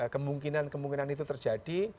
kemungkinan kemungkinan itu terjadi